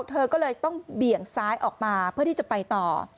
เธอก็เลยต้องเบี่ยงซ้ายออกมาเพื่อที่จะไปต่อ